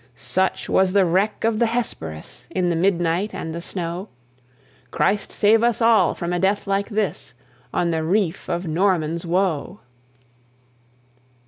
Such was the wreck of the Hesperus, In the midnight and the snow! Christ save us all from a death like this, On the reef of Norman's Woe!